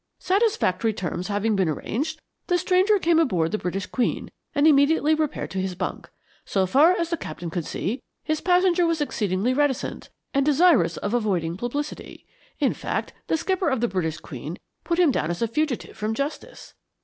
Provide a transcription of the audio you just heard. Satisfactory terms having been arranged, the stranger came aboard the British Queen and immediately repaired to his bunk. So far as the captain could see, his passenger was exceedingly reticent, and desirous of avoiding publicity; in fact, the skipper of the British Queen put him down as a fugitive from justice.